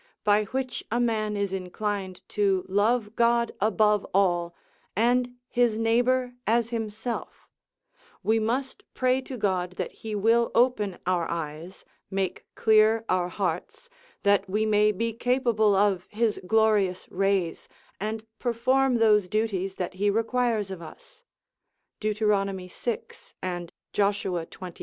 by which a man is inclined to love God above all, and his neighbour as himself, we must pray to God that he will open our eyes, make clear our hearts, that we may be capable of his glorious rays, and perform those duties that he requires of us, Deut. vi. and Josh. xxiii.